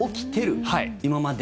今まで？